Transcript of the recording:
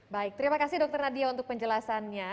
baik terima kasih dokter nadia untuk penjelasannya